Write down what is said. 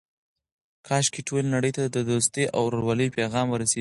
کاشکې ټولې نړۍ ته د دوستۍ او ورورولۍ پیغام ورسیږي.